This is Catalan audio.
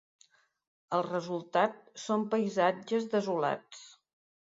El resultat són paisatges desolats.